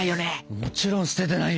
もちろん捨ててないよ。